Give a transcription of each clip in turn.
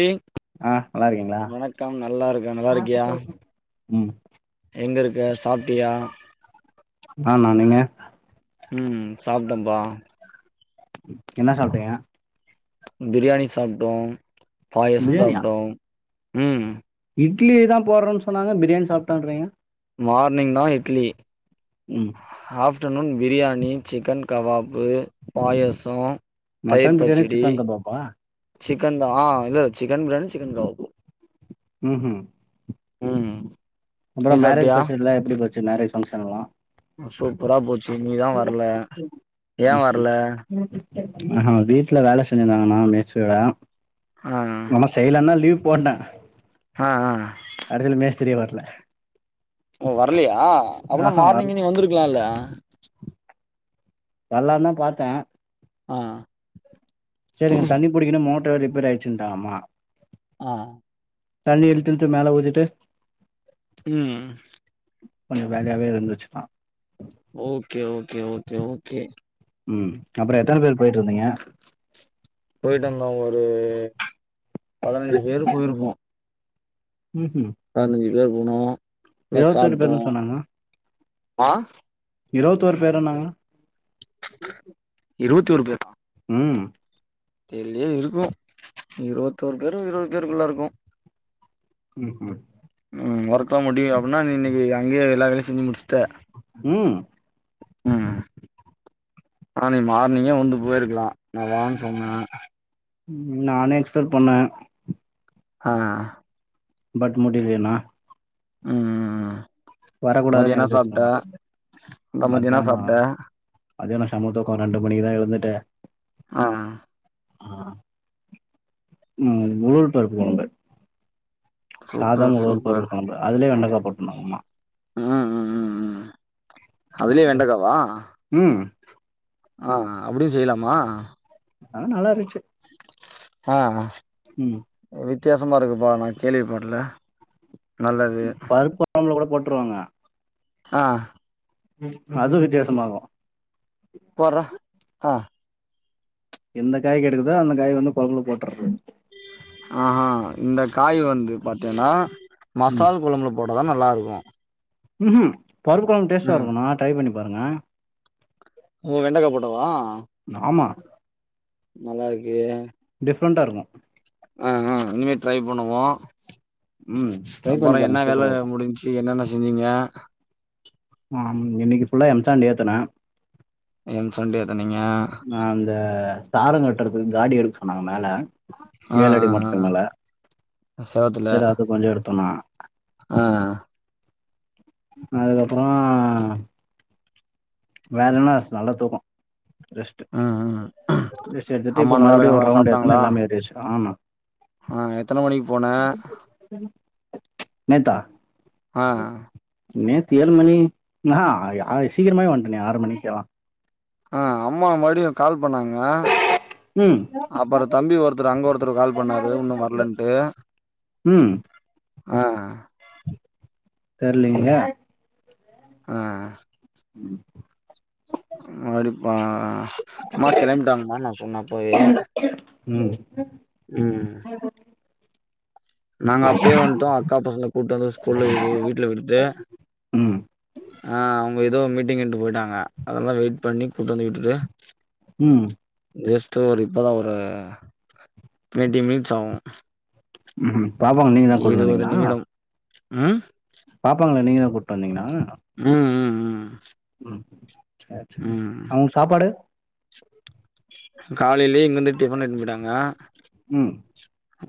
இ ஆ நல்லா இருக்கீங்களா வணக்கம் நல்லா இருக்க நல்லா இருக்கியா ம் எங்கருக்க சாப்டியா ஆமா நீங்க ம் ம் சாப்டம்ப்பா என்னா சாப்டீங்க பிரியாணி சாப்ட்டோ பாயாசம் சாப்ட்டோம் ம் இட்லியே தா போட்றோனு சொன்னாங்க பிரியாணி சாப்டன்றீங்க மார்னிங் தா இட்லி ம் ஆஃப்டர்நூன் பிரியாணி சிக்கன் கபாஃப்பு பாயாசோ மட்டன் பிரியாணி சிக்கன் கபாஃபா சிக்கன் தா ஆ இல்லல்ல சிக்கன் பிரியாணி சிக்கன் கவாப்பு ம் ம் ம் ம் அப்றோ மேரேஜ் பங்ஷன்லா எப்டி போச்சு மேரேஜ் பங்ஷன்ல்லா சூப்பரா போச்சி நீதா வர்ல ஏ வர்ல ஆ வீட்ல வேல செஞ்சிருந்தாங்கன்னா மீச்சுல ஆ செய்லன்னா லீவ் போட்ட ஆ ஆ கடைசியில மேஷ்திரியே வரல ஓ வரலயா அப்படின்னா ஆஹா வர மார்னிங்கே நீ வந்துருக்கலாம்ல்ல வர்லாந்தான் பாத்தேன் ஆ சேரிங்க தண்ணி புடிக்கணும் மோட்டர் வேற ரிப்பர் ஆயிச்சுன்ட்டாமா ஆ தண்ணி இருக்குன்டு மேல ஊத்திட்டு உம் கொஞ்சம் வேலயாவே இருந்துச்சுன்னா ஓகே ஓகே ஓகே ஓகே ம் அப்புறம் எத்தனை பேர் போயிட்டு இருந்தீங்க போயிட்டு இருந்தோம் ஒரு பதினஞ்சு பேர் போயிருப்போ உம் ம் பதினஞ்சி பேர் போனோம் நல்லா இருபத்தொரு பேர்னு சாப்ட்டோம் சொன்னாங்க ஆ இருவத்தோரு பேருண்ணாங்க இருவத்தோரு பேரா உம் தெர்லயே இருக்கும் இருபத்தோரு பேரும் இருபது பேருக்குள்ள இருக்கும் உம் உம் ம் ஒர்க்ல்லாம் முடியும் அப்டினா நீ இன்னைக்கு அங்கயே எல்லா வேலையும் செஞ்சு முடிச்சுட்ட உம் ம் ஆனா நீ மார்னிங்கே வந்து போயிருக்கலாம் நா வான்னு சொன்ன நானே எக்ஸ்பெட் பண்ண ஆ பட் முடிலேனா உம் மதியம் வரக்கூடாதுன்னு என்ன எழுதி சாப்ட்ட வச்சிருக்க மாட்டேன் அதா மதியம் என்னா சாப்ட்ட மத்தியானம் செம தூக்கம் ரெண்டு மணிக்கு தான் எழுந்துட்டு ஆ ஆ [unintelligible] சாதம் சூப்பர் [unintelligible] பருப்பு சூப்பர் குழம்பு அதுலயே வெண்டைக்கா போட்ருந்தாங்க அம்மா அதுலே வெண்டக்காவா உம் ஆ அப்படியும் செய்யலாமா ஆ நல்லா இருச்சு ஆ ம் வித்தியாசமா இருக்குப்பா நா கேள்விப்படல நல்லது பருப்பு கொழம்புல கூட போட்ருவாங்க ஆ அது வித்தியாசமாருக்கும் போற ஆ எந்த காய் கெடைக்குதோ அந்த காய் வந்து கொழம்புல போட்டுறது ஆ இந்த காய் வந்து பாத்தீன்னா ம் மசால் குழம்புல போட்டா தான் நல்லாயிருக்கும் ம் ம் பருப்பு குழம்பு டேஸ்ட்டா ம் இருக்கும்ணா ட்ரை பண்ணி பாருங்க ஓ வெண்டக்கா போட்டாவா ஆமா நல்லாருகே டிஃப்ரெண்டா இருக்கும் ஆ ஆ இனிமே ட்ரை பண்ணுவோம் ம் ட்ரை பண்ணி அப்பறம் என்ன பாருங்க சூப்பராக வேல இருக்கும் முடிஞ்ச்சு என்னென்ன செஞ்சீங்க ம் இன்னைக்கு ஃபுல்லா எம்சாண்ட் ஏத்துனே எம்சாண்ட் ஏத்துனீங்க அ அந்த தாரம் கட்டுறதுக்கு காடி எடுக்க சொன்னாங்க மேல ஆ ஏழடி ஆ மரத்து மேல ஆ செவத்துல சரி அது கொஞ்சம் எடுத்தோனா ஆ அதுக்கப்பறோ வேறன்ன நல்லா தூக்கம் ரெஸ்ட் ம் ம் ரெஸ்ட் எடுத்துட்டு அம்மா இப்ப நல்லா மறுபடியும் ஒரு இருக்காங்களா ரவுண்ட் எடுத்து சாப்ட்டாங்களா எல்லாமே ஏத்தியாச்சு ஆமா ஆ எத்தன மணிக்கு போன நேத்தா ஆ நேத்து ஏழு மணி நா ஆ சீக்கரமாவே வண்டேனே ஆறு மணிக்கெல்லாம் ஆ அம்மா மறுபடியும் கால் பண்ணாங்க ம் அப்பறம் தம்பி ஒருத்தர் அங்க ஒருத்தர் கால் பண்ணாரு இன்னும் வரலன்ட்டு ம் ஆ தெர்லைங்களே ஆ ம் அடிப்பா அம்மா கெளம்பிட்டாங்கமா நா சொன்ன அப்போயே ம் ம் நாங்க அப்பயே வந்துட்டோம் அக்கா பசல கூட்டுவந்து ஸ்கூல்ல இருந்து வீட்ல விட்டு ம், ஆ அவுங்க ஏதோ மீட்டிங்ன்னு போய்ட்டாங்க அதெல்லாம் வெயிட் பண்ணி கூட்டி வந்து வுட்டுட்டு ம் ஜஸ்ட்டு ஒரு இப்பதா ஒரு டுவெண்ட்டி மினிட்ஸ் ஆகும் ம் ம் பாப்பாவ நீங்க தா கூட்டுன்னு இருவது வந்தீங்களா நிமிடம் ம் பாப்பாங்கள நீங்க தா கூட்டு வந்தீங்கலா ம் ம் ம் ம் சேர் சேர் ம் அவுங்க சாப்பாடு காலையிலயே இங்கிருந்து டிபன் எட்டுனு போய்ட்டாங்க ம்.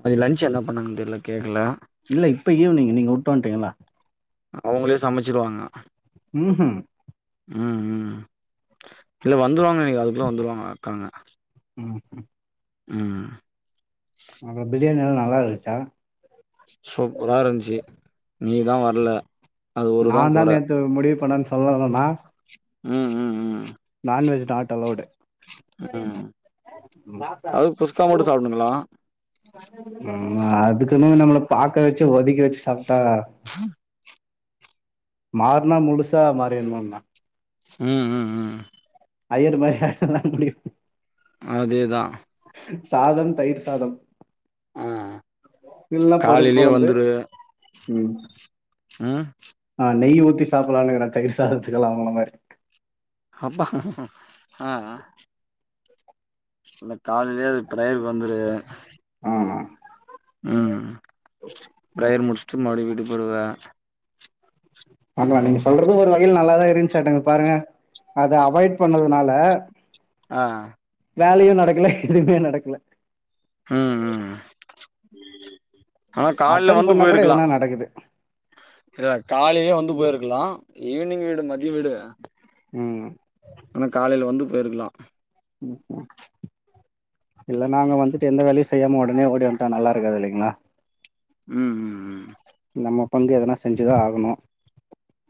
அது லஞ்ச் என்ன பண்ணாங்க தெர்ல கேக்கல இல்ல இப்ப ஈவினிங் நீங்க வுட்டு வன்ட்டீங்கல்ல அவுங்களே சமச்சிருவாங்க ம்ஹ்ம். அ அ இல்ல வந்துருவாங்கன் நெனைக்கிறே அதுக்குள்ள வந்துருவாங்க அக்காங்க அ அ ஆ அப்பற பிரியாணி எல்லா நல்லா இருந்துச்சா சூப்பரா இருந்துச்சு நீதா வர்ல நான் தா நேத்து முடிவு பண்ணன்னு சொல்லல்ல நா அ அ அ நான்வெஜ் நாட் அலௌடு ம் அது குஷ்கா மட்டு சாப்டுனுங்களா ம் அதுக்குன்னு நம்மள பாக்க வச்சு ஒதக்கி வச்சு சாப்ட்டா மாற்னா முழுசா மாறின்னும்ன்னா ம் ம் ம் ஐயர் மாறி ஆகலா முடியு அதேதா சாதம் தயிர் சாதம் ம் இல்ல பருப்பு காலையிலயே கொழம்பு ம் அ நா நெய் ஊத்தி சாப்புட்லான்னு இருக்கறே தயிர் சாதத்துக்குலா உங்கள மாறி அஃப்பா ஆ இல்ல கால்லயே அது பிரேயருக்கு வந்துரு அ ம் பிரேயர் முடிச்சுட்டு மறுபடியு வீட்டுக்கு போயிடுவ ஆமா நீங்க சொல்றது ஒரு வகையில நல்லாதா இருந்சாட்டக்க பாருங்க அதை அவாய்ட் பண்ணதுனால அ வேலையு நடக்கல எதுமே நடக்கல ம் ம் ஆனா கால்ல அட்டெண்ட் வந்து பண்ணா கூட போயிருக்கலா எதுனா நடக்குது. இர்ரா காலைலயே வந்து போயிருக்கலா ஈவினிங் விடு மதிய விடு ம் அனா காலையில வந்து போயிருக்கலா இல்ல நாங்க வந்துட்டு எந்த வேலையு செய்யாம உடனே ஓடிவன்டா நல்லா இருக்காது இல்லைங்களா ம் ம் ம் நம்ம பங்கு எதுனா செஞ்சுதா ஆகணு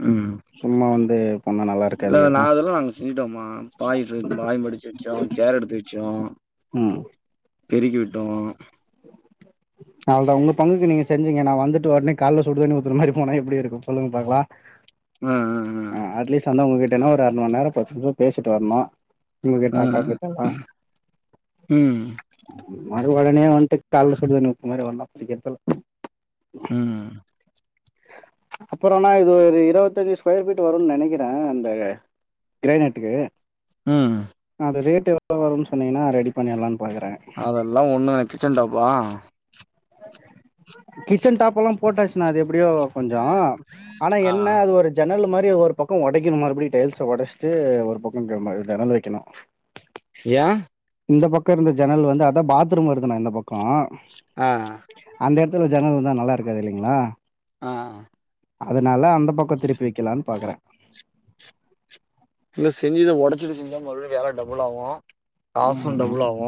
ம் சும்மா வந்து ரொம்ப நல்லா இருக் இல்ல நா இதெல்லா நாங்க செஞ்சுட்டோம்மா பாய் இது பாய் மடிச்சு வச்சோ சேர் எடுத்து வச்சோ ம் பெருக்கிவிட்டோ அவ்ளதா உங்க பங்குக்கு நீங்க செஞ்சிங்க நா வந்துட்டு உடனே கால்ல சுடுதண்ணி ஊத்துன மாறி போனா எப்டி இருக்கும் சொல்லுங்க பாக்கலா ஆ ஆ அ அட்லீஸ்ட் வந்து உங்ககிட்டனா ஒரு அரை மந்நேரோ பத்து நிம்ஷோ பேசிட்டு வரணு உங்ககிட்ட ஆ ஆ அக்காகிட்டலா ம் மறு உடனே வன்ட்டு கால்ல சுடு தண்ணி ஊத்துன மாறி வந்தா புடிக்கறதில்ல ம் அப்புறம்னா இது ஒரு இருவத்தஞ்சு ஸ்கொயர் ஃபீட் வரும்னு நினைக்கிறே அந்த கிரேநட்டுக்கு உம் அது ரேட் எவ்ளோ வருன் சொன்னீங்கனா ரெடி பண்ணிட்லான் பாக்கறே அதெல்லா ஒண்ணு [unintelligible] கிச்சன் டாபெல்ல போட்டாச்மா அது எப்டியோ கொஞ்சோ ஆனா ஆ என்ன அது ஒரு ஜன்னல் மாறி ஒரு பக்கோ ஒடைக்குணு மறுபடி டைல்ஸ ஒடச்ட்டு ஒரு பக்கோ க ஜன்னல் வெக்கணு யா இந்த பக்க இருந்த ஜன்னல் வந்து அதா பாத்ரூம் வருதுணா இந்த பக்கோ அ அ அந்த எடத்துல ஜன்னல் வந்தா நல்லா இருக்காது இல்லேங்க்ளா ஆ அதனால அந்த பக்கோ திருப்பி வெக்கலான் பாக்கறே இல்ல செஞ்சுத ஒடச்சிடுச்சுங்களான் மறுபடியு வேல டபுள் ஆகு காசும் டபுள் ஆகு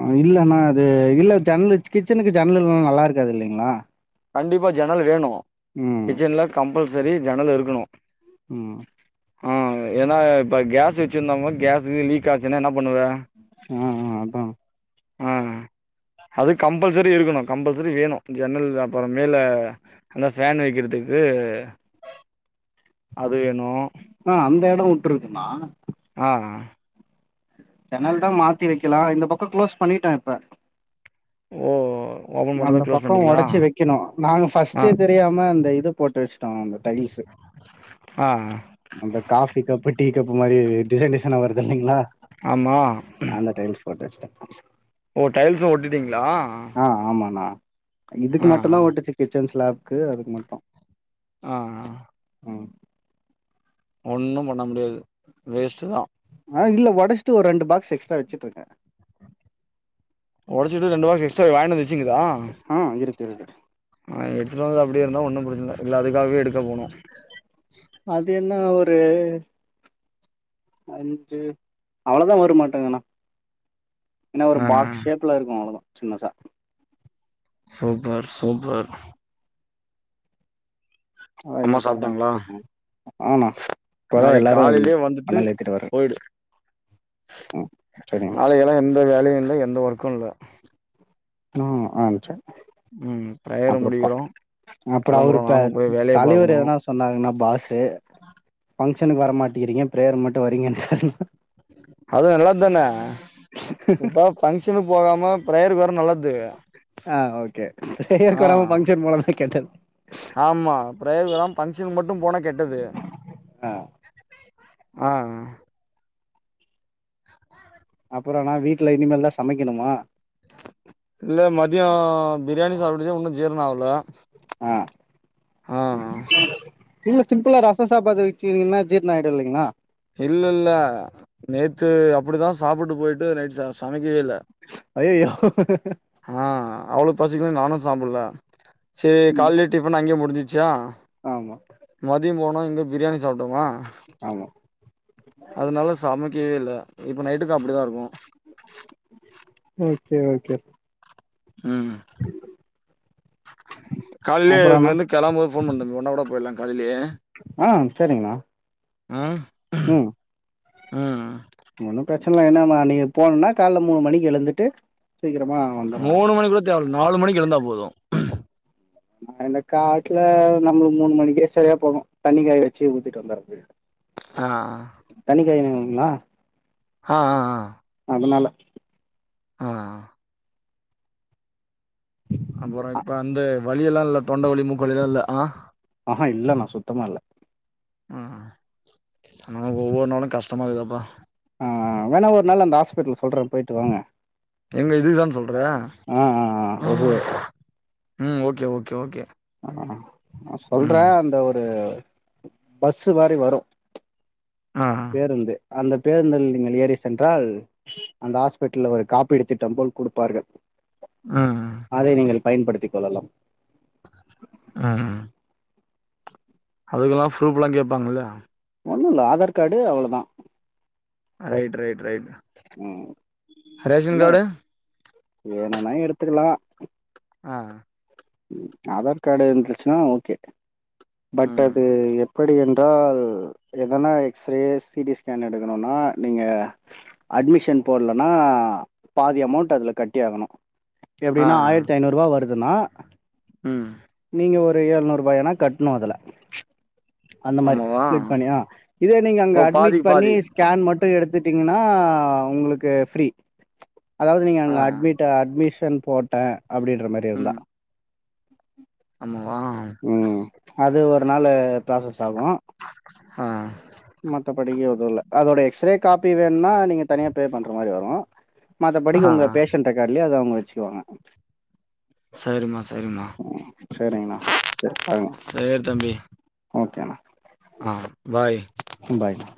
அ இல்லன்னா அது இல்ல ஜன்னல் கிச்சனுக்கு ஜன்னல் இல்லேன நல்லா இருக்காது இல்லேங்க்ளா கண்டிப்பா ஜன்னல் வேணு கிச்சன்ல கம்பல்சரி ஜன்னல் இருக்குணு ம் ஆ ஏன்னா இப்ப கேஸ் வெச்சிருந்தவங்களா கேஸ் லி லீக் ஆச்சுனா என்ன பண்ணுவ ஆ ஆ அதா ஆ அது கம்பல்சரி இருக்குணு கம்பல்சரி வேணு ஜன்னல் அப்பறோ மேல அங்க ஃபேன் வெக்கிறதுக்கு அது வேணு ஆ அந்த இடம் வுட்டுருக்குண்ணா ஆ ஆ ஜன்னல் தா மாத்தி வெக்கலா இந்த பக்கோ க்ளோஸ் பண்ணிட்டே இப்ப ஓ ஓபன் பண்ணாதா அந்த க்ளோஸ் பக்கோ பண்ணிட்டீங்களா ஒடச்சு வெக்கணு நாங்க ஆ ஃபர்ஸ்ட்டே தெரியாம அந்த இது போட்டு வெச்ட்டோ அந்த டைல்ஸ்சு ஆ ஆ நம்ப காஃபி கப்பு டீ கப்பு மாரி டிசைன் டிசைனா வருதில்லேங்க்ளா ஆமா அந்த டைம் ஸ்பாட் வெச்சுட்டே ஓ டைல்ஸ்சு ஒட்டிட்டீங்க்ளா ஆ ஆமாண்ணா இதுக்கு மட்டு தா ஒட்டுச்சு கிச்சன் ஸ்லாப்கு அதுக்கு மட்டு ஆ ஆ ம் ஒன்னும் பண்ண முடியாது வேஸ்ட்டு தா ஆ இல்ல ஒடச்ட்டு ஒரு ரெண்டு பாக்ஸ் எக்ஸ்ட்ரா வெச்சிட்ருக்கே ஒடச்சிட்டு ரெண்டு பாக்ஸ் எக்ட்ரா வ வாங்கிட் வந்து வெச்சிங்க்ளா ஆ இருக்கு இருக்கு நா எடுத்துட் வந்து அப்டியே இருந்தா ஒன்னு பிரச்சனில்ல இல்ல அதுக்காகவே எடுக்க போணு அது என்ன ஒரு அஞ்சு அவ்ளோதா வரமாட்டுங்கண்ணா ஏன்னா ஒரு ஆ பாக்ஸ் ஷேப்ல இருக்கு அவ்ளோதா சின்னதா சூப்பர் சூப்பர் அம்மா ஆமா நாளைக் காலைலேயே வந்துட்டு வர்றே போய்டு ம் சரிங்க நாளைக்கெல்லா எந்த வேலையு இல்ல எந்த ஒர்க்கு இல்ல ம் ஆ ச ம் ப்ரேயர அவுர் விருப்ப முடிக்கிறோ அப்றொ கெளம்புறோ அவுரு ப நானு போய் வேலைய தலைவரு பாக்கணு எதனா சொ சொன்னாங்கனா பாஸ்சு பங்க்ஷனுக்கு வரமாட்டிறீங்க ப்ரேயர் மட்டு வரீங்கன் அது நல்லது தான இப்ப பங்க்ஷனுக் போகாம ப்ரேயருக் வர நல்ல ஆ ஓகே ப்ரேயருக் ஆ வராம பங்க்ஷன் போனா தா கெட்டது ஆமா ப்ரேயர்க் வராம பங்க்ஷன் மட்டு போனா கெட்டது ஆ ஆ அப்பறொணா வீட்ல இனிமேல் தா சமைக்கணுமா இல்ல மதியொ பிரியாணி சாப்டதே உன்னும் ஜீரணொ ஆவ்ல ஆ இல்ல சிம்பிளா ரசொ சாப்பாடு வெச்சிங்கனா ஜீர்ணொ ஆகிடு இல்லைங்களா இல்லல்ல நேத்து அப்டிதா சாப்பிட்டு போயிட்டு நைட் சமைக்கவே இல்ல அய்யய்யோ ஆ அவுளுக் பசிக்கலன் நானு சாப்பிடல செரி காலைலே டிபனு அங்கியே முடிஞ்சிச்சா ஆமா மதிய போனோ இங்க பிரியாணி சாப்ட்டமா ஆமா அதனால சமைக்கவே இல்ல இப்ப நைட்டுக்கு அப்டிதா இருக்கு ஓகே ஓகே ம் காலைலயே அப்புறம்ண்ணா இங்கேந்து கெளம்ப போது போன் பண் தம்பி ஒன்னாகூட போய்ரலாம் காலைலயே அ சேரிங்ணா ம் ம் ஒன்னு பிரச்சன இல்ல என்னம்மா நீங் போனும்னா கால்ல மூணு மணிக்கு எழுந்துட்டு சீக்கிரமா மூணு மணி கூட தேவல்ல நாலு மணிக் எழுந்தா போது அந்த காட்ல நம்மள மூணு மணிக்கே சரியா போகு தண்ணிக்காய வச்சு ஊத்திட்டு வந்தரது [unintelligible] ஆ அ தண்ணிக்காய வெக்கணுமா ஆ அ அத்னால ஆ அப்றொ இப்ப அந்த வலியெல்லா இல்ல தொண்ட வலி மூக்கு வலிலா இல்ல அ ஆ ஹா இல்லணா சுத்தமா இல்ல ஆ ஆ ஒவ்வொரு நாளு கஷ்டமா இருக்குதப்பா ஆ வேணா ஒரு நாள் அந்த ஹாஸ்பிடல் சொல்ற போயிட்டு வாங்க எங்க இதுக்குதான் சொல்ற ஆ ஆ ஆ ஒசு ம் ஓகே ஓகே ஓகே ஆ நா சொல்ற ம் அந்த ஒரு பஸ்சு மாரி வரு ஆ பேருந்து அந்த பேருந்தில் நீங்கள் ஏறி சென்றால் அந்த ஹாஸ்பிடல்ல ஒரு காப்பிடு திட்டம் போல் குடுப்பார்கள் ம் ம் அதை நீங்கள் பயன்படுத்திக் கொள்ளலாம் ம் அதுக்குலா ப்ரூப்லா கேப்பாங்கல்ல ஒன்னு இல்ல ஆதார் கார்டு அவ்ளோதா ரைட் ரைட் ரைட் ம் ரேஷன் அண்ண கார்டு வேணுன்னா எடுத்துக்கலா ஆ ம் ஆதார் கார்டு இர்ந்துச்சுனா ஓகே பட் ம் அது எப்படி என்றால் என்னனா எக்ஸ்ரே சிடி ஸ்கேன் எடுக்கணுனா நீங்க அட்மிஷன் போட்லன்னா பாதி அமௌண்ட் அதுல கட்டி ஆகணு ஆ எப்டின்னா ஆயிரத்தி ஐநூறுபா வருதுன்னா ம் நீங்க ஒரு எழ்நூறுபாயானா கட்ணு அதுல அந்த மாரி ஆமாவா ஸ்பிளிட் பண்ணியா இதே நீங்க அங்க ஓ அட்மிட் பாதிக்கு பண்ணி பாதி ஸ்கேன் மட் டு எடுத்துட்டீங்கனா உங்களுக்கு ஃப்ரீ அதாவது நீங்க அங்க ஆ அட்மி அட்மிஷன் போட்ட அப்டின்ற மாரி இருந்தா ஆமா வா ம் அது ஒரு நாளு ப்ராசஸ் ஆகு ஆ மத்தபடிக்கு எதுவுல்ல அதோட எக்ஸ்ரே காப்பி வேணுனா நீங்க தனியா பே பண்ற மாரி வரு ஆ மத்தபடிக்கு உங்க பேஷன்ட் ரெக்காட்லயே அத அவுங்க வச்சுக்குவாங்க சரிம்மா சரிம்மா ம் சரிங்கண்ணா பாருங்க சேரி தம்பி ஓகேணா ஆ பாய் பாய்பா